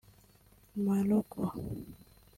Morocco